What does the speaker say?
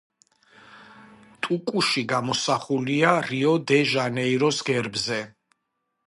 ტუკუში გამოსახულია რიო-დე-ჟანეიროს გერბზე.